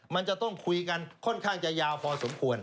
มันจะต้องคุยกันค่อนข้างจะยาวพอสมควร